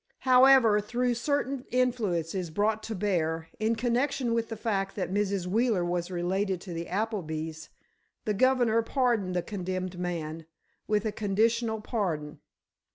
However, through certain influences brought to bear, in connection with the fact that Mrs. Wheeler was related to the Applebys, the governor pardoned the condemned man, with a conditional pardon.